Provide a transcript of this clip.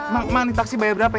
mak mana taksi bayar berapa ya